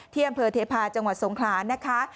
ที่แอภัยเทพาะจังหวัดสงครานะคะ